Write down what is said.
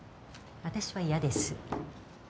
私は嫌です。